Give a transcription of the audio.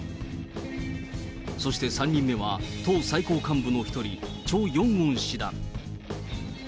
そして３人目は、党最高幹部の１人、チョ・ヨンウォン氏だ。